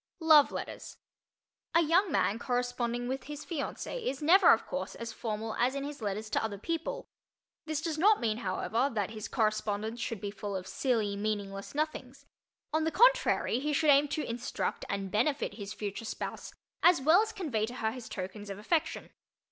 LOVE LETTERS A young man corresponding with his fiancée is never, of course, as formal as in his letters to other people. This does not mean, however, that his correspondence should be full of silly meaningless "nothings." On the contrary, he should aim to instruct and benefit his future spouse as well as convey to her his tokens of affection.